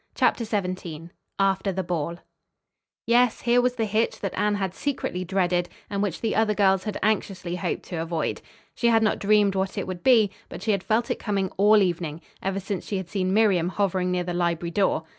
CHAPTER XVII AFTER THE BALL Yes, here was the hitch that Anne had secretly dreaded and which the other girls had anxiously hoped to avoid. She had not dreamed what it would be, but she had felt it coming all evening, ever since she had seen Miriam hovering near the library door.